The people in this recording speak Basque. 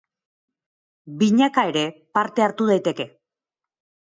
Binaka ere parte hartu daiteke.